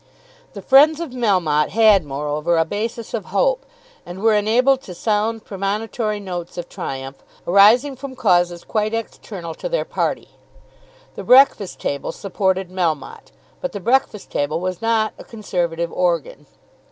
The friends of Melmotte had moreover a basis of hope, and were enabled to sound premonitory notes of triumph, arising from causes quite external to their party. The "Breakfast Table" supported Melmotte, but the "Breakfast Table" was not a Conservative organ.